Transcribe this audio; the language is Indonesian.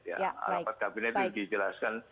rapat kabinet itu dijelaskan